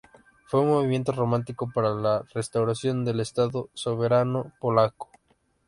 Fue un movimiento romántico para la restauración del Estado soberano polaco.